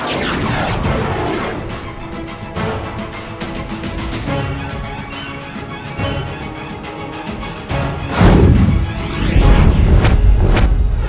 tapi syairna benar benar luar biasa